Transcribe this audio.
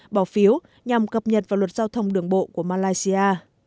bỏ phiếu nhằm cập nhật vào luật giao thông đường bộ của malaysia